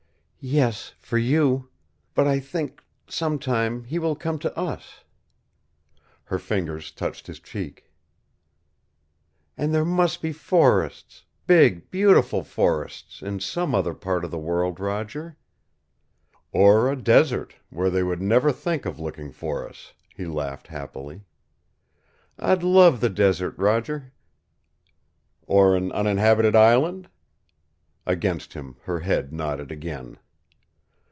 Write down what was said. "Yes, for you. But I think sometime he will come to us." Her fingers touched his cheek. "And there must be forests, big, beautiful forests, in some other part of the world, Roger." "Or a desert, where they would never think of looking for us," he laughed happily. "I'd love the desert, Roger." "Or an uninhabited island?" Against him her head nodded again.